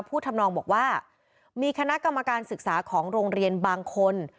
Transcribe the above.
ทำนองบอกว่ามีคณะกรรมการศึกษาของโรงเรียนบางคน